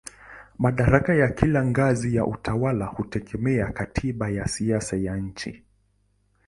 Madaraka ya kila ngazi ya utawala hutegemea katiba na siasa ya nchi.